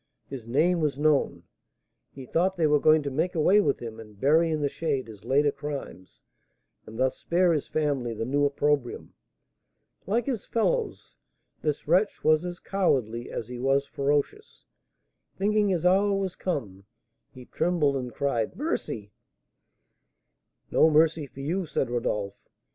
His name was known; he thought they were going to make away with him and bury in the shade his later crimes, and thus spare his family the new opprobrium. Like his fellows, this wretch was as cowardly as he was ferocious. Thinking his hour was come, he trembled, and cried "Mercy!" "No mercy for you," said Rodolph.